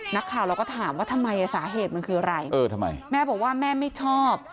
นักข่าวเราก็ถามว่าทำไมสาเหตุมันคืออะไรเออทำไมแม่บอกว่าแม่ไม่ชอบ